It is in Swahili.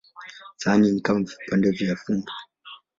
Sahani ni kama vipande vya fumbo.